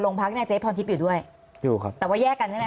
พักเนี่ยเจ๊พรทิพย์อยู่ด้วยอยู่ครับแต่ว่าแยกกันใช่ไหม